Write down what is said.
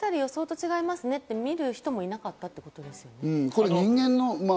途中で点検したり、予想と違いますねって見る人もいなかったってことですよね。